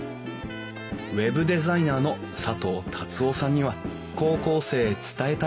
ウェブデザイナーの佐藤達夫さんには高校生へ伝えたいことがありました